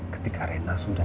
ketika rena sudah